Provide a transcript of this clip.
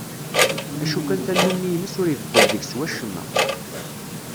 Acu kan tannumi-ines ur ibeddel deg-s wacemma.